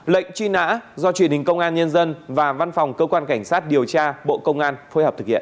lệnh truy nã do truyền hình công an nhân dân và văn phòng cơ quan cảnh sát điều tra bộ công an phối hợp thực hiện